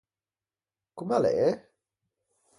Comm’a l’é?